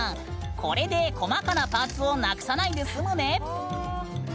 これで細かなパーツをなくさないで済むね。